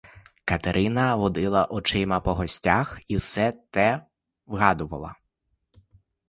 Катерина водила очима по гостях і все те вгадувала.